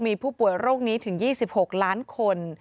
มีผู้ป่วยโรคนี้ถึง๒๖ล้านคน